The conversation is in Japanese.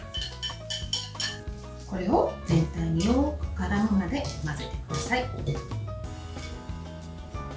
これを全体がからむまで混ぜてください。